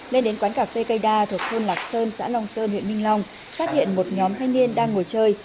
lên đến quán cà phê cây đa thuộc thôn lạc sơn xã long sơn huyện minh long phát hiện một nhóm thanh niên đang ngồi chơi